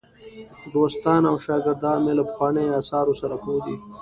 دوستان او شاګردان مې له پخوانیو آثارو سره پوه دي.